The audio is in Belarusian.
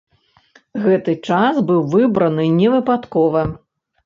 Гэты час быў выбраны не выпадкова.